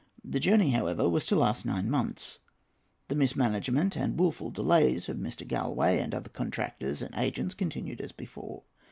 The journey, however, was to last nine months. The mismanagement and the wilful delays of Mr. Galloway and the other contractors and agents continued as before.